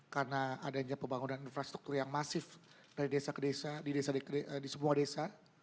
karena adanya pembangunan infrastruktur yang masif dari desa ke desa di semua desa